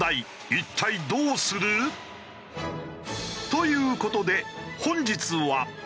一体どうする？という事で本日は。